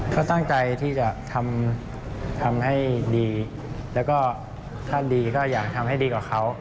ก็ตั้งใจที่จะทำให้ดีแล้วก็ถ้าดีก็อยากทำให้ดีกว่าเขา